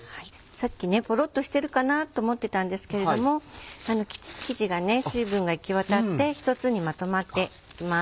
さっきポロっとしてるかなと思ってたんですけれども生地が水分が行きわたって一つにまとまっています。